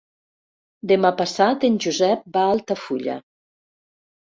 Demà passat en Josep va a Altafulla.